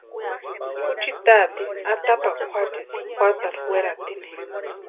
Juchi taatirini atapakwa juachisti juatarhu weratini.